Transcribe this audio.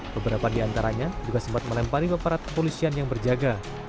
beberapa di antaranya juga sempat melempari aparat kepolisian yang berjaga